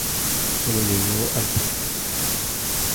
Sólo llegó al puesto No.